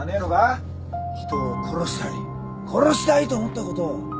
人を殺したり殺したいと思ったこと。